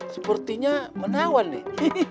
sepertinya menawan nih